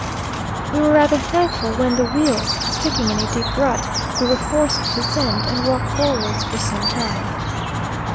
We were rather thankful when the wheels, sticking in a deep rut, we were forced to descend, and walk forwards for some time.